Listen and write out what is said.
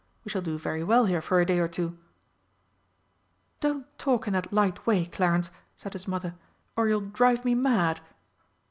We shall do very well here for a day or two." "Don't talk in that light way, Clarence," said his mother, "or you'll drive me mad!"